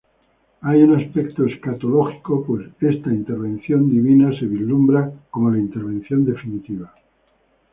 Hay un aspecto escatológico, pues esta intervención divina se vislumbra como la intervención definitiva.